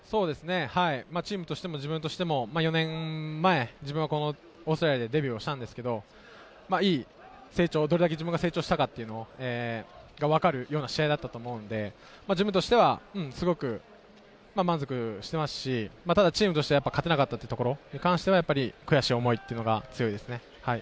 チームとしても自分としても４年前、オーストラリアでデビューをしたんですけれど、どれだけ自分が成長したかっていうのはわかるような試合だったと思うので、自分としてはすごく満足してますし、ただチームとしては勝てなかったところに関しては悔しい思いが強いです。